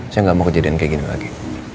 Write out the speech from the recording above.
saya nggak mau kejadian kayak gini lagi